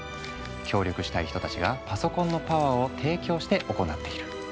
協力したい人たちがパソコンのパワーを提供して行っている。